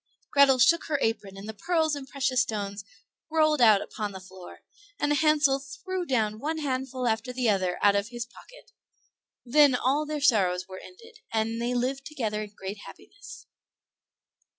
Grethel shook her apron, and the pearls and precious stones rolled out upon the floor, and Hansel threw down one handful after the other out of his pocket. Then all their sorrows were ended, and they lived together in great happiness.